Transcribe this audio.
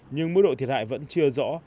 nhưng mức độ thiệt hại vẫn chưa rõ